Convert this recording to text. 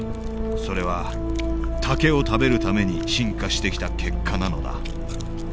それは竹を食べるために進化してきた結果なのだ。